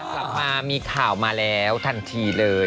กลับมามีข่าวมาแล้วทันทีเลย